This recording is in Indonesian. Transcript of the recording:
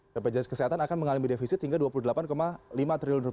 bpjs kesehatan akan mengalami defisit hingga rp dua puluh delapan lima triliun